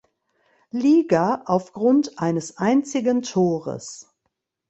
Liga aufgrund eines einzigen Tores.